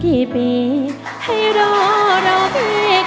กระก้วงชื่อปุ้มรักปรกษาสีชมศักดิ์